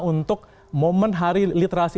untuk momen hari literasi